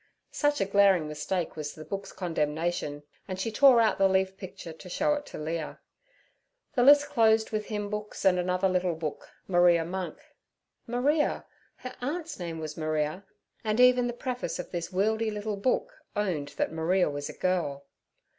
Such a glaring mistake was the book's condemnation, and she tore out the leaf picture to show it to Leah. The list closed with hymn books and another little book—'Maria Monk.' Maria! her aunt's name was Maria, and even the preface of this wieldy little book owned that Maria was a girl.